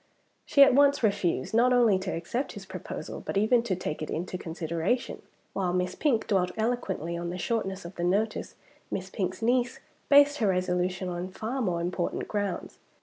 She at once refused, not only to accept his proposal, but even to take it into consideration. While Miss Pink dwelt eloquently on the shortness of the notice, Miss Pink's niece based her resolution on far more important grounds.